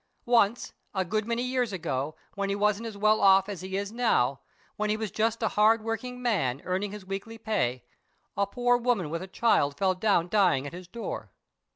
Once, a good many years ago, when he wasn't as well off as he is now, when he was just a hard working man, earning his weekly pay, a poor woman with a child fell down dying at his door.